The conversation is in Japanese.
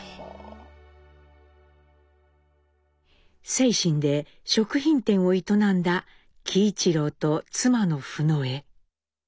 清津で食品店を営んだ喜一郎と妻のフノエ。